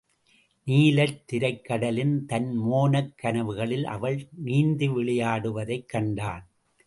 நீலத் திரைக் கடலில் தன் மோனக் கனவுகளில் அவள் நீந்தி விளையாடுவதைக் கண்டான்.